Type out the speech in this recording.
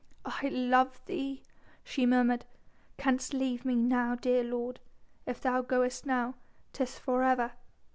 "I love thee," she murmured, "canst leave me now, dear lord.... If thou goest now 'tis for ever